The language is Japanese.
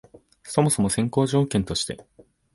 そもそも先行条件として、